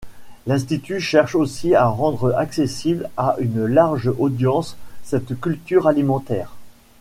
L'institut cherche aussi à rendre accessible à une large audience cette culture alimentaire.